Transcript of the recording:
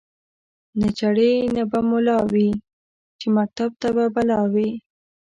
نه چړي نه به مُلا وی چي مکتب ته به بلا وي